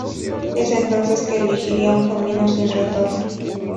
Es entonces que elegirá un camino sin retorno.